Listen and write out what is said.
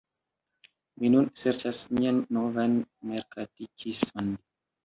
Mi nun serĉas mian novan merkatikiston